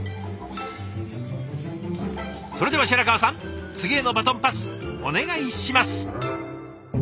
それでは白川さん次へのバトンパスお願いします。